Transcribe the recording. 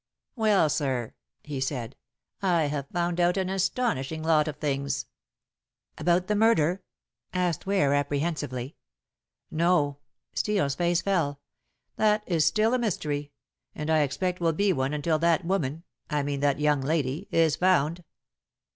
"Well, sir," he said, "I have found out an astonishing lot of things." "About the murder?" asked Ware apprehensively. "No." Steel's face fell. "That is still a mystery, and I expect will be one until that woman I mean that young lady is found."